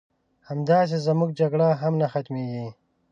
همداسې زمونږ جګړې هم نه ختميږي